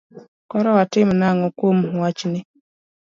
Koro watim nang'o kuom wachni?